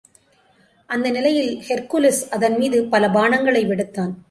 அந்த நிலையில் ஹெர்க்குலிஸ் அதன் மீது பல பாணங்களை விடுத்தான்.